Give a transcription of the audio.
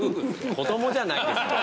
子供じゃないんですから。